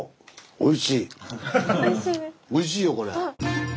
おいしいよこれ。